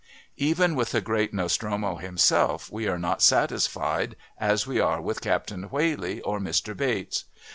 Even with the great Nostromo himself we are not satisfied as we are with Captain Whalley or Mr Bates.